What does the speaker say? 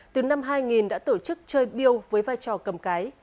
từ năm hai nghìn đã tổ chức chơi biêu với vai trò cầm cái